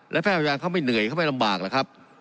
และแพร่พยาบาลเขาไม่เหนื่อยเขาไม่ลำบากนะครับ